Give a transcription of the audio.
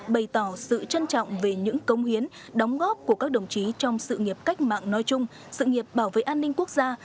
bày tỏ sự trân trọng về những công hiến đóng góp của các đồng chí trong sự nghiệp cách mạng nói chung sự nghiệp bảo vệ an ninh quốc gia